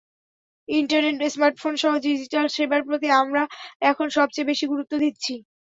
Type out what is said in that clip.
Internet, স্মার্টফোনসহ digital সেবার প্রতি আমরা এখন সবচেয়ে বেশি গুরুত্ব দিচ্ছি।